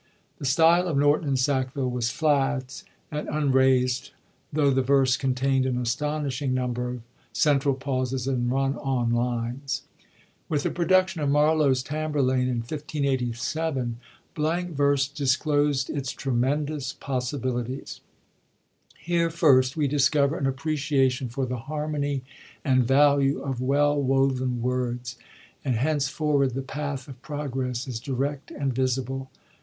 The style of Norton and Hackville was flat and unraisd, tho' the verse containd an astonishing number of central pauses and run on lines. With the production of Marlowe's Tamhurlaine, in 1587, blank verse disclosed its tremendous possibilities. Here first we discover an appreciation for the harmony and value of well woven words; and henceforward the path of progress is direct and visible.